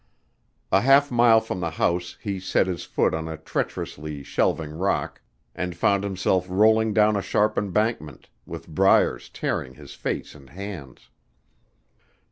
A half mile from the house he set his foot on a treacherously shelving rock, and found himself rolling down a sharp embankment, with briars tearing his face and hands.